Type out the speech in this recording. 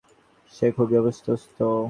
সে খুবই অসুস্থ।